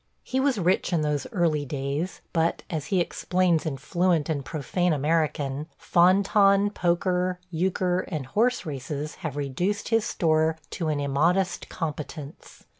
He was rich in those early days, but, as he explains in fluent and profane American, fan tan, poker, euchre, and horse races have reduced his store to an immodest competence.